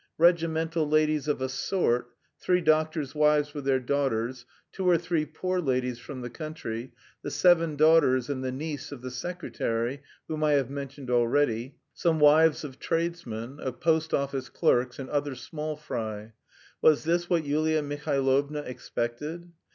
Regimental ladies of a sort, three doctors' wives with their daughters, two or three poor ladies from the country, the seven daughters and the niece of the secretary whom I have mentioned already, some wives of tradesmen, of post office clerks and other small fry was this what Yulia Mihailovna expected?